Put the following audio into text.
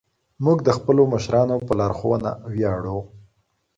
موږ د خپلو مشرانو په لارښوونه ویاړو.